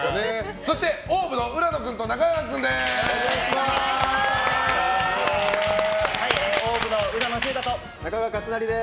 そしてＯＷＶの浦野君と中川君です。